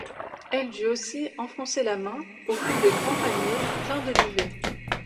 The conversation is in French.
Elle dut aussi enfoncer la main au fond des grands paniers pleins de duvet.